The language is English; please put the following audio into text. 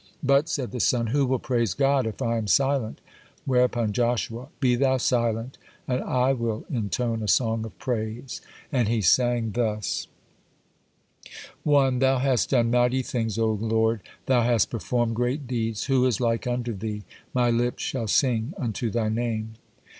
"But," said the sun, "who will praise God if I am silent?" (42) Whereupon Joshua: "Be thou silent, and I will intone a song of praise." (43) And he sang thus: 1. Thou hast done mighty things, O Lord, Thou has performed great deeds. Who is like unto Thee? My lips shall sing unto Thy name.